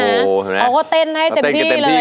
เขาก็เต้นให้เต็มที่เลย